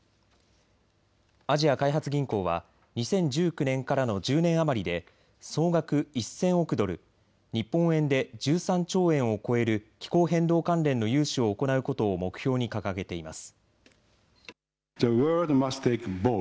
アジア開発銀行は２０１９年からの１０年余りで総額１０００億ドル、日本円で１３兆円を超える気候変動関連の融資を行うことを目標に掲げています。